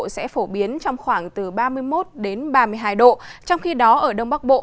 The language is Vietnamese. sẽ phổ biến trong khoảng từ ba mươi một đến ba mươi hai độ trong khi đó ở đông bắc bộ